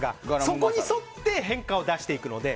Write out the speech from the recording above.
そこに沿って変化を出していくので。